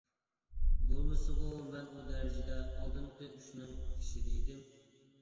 بولمىسىغۇ مەن ئۇ دەرىجىدە ئالدىنقى ئۈچنىڭ ئىچىدە ئىدىم.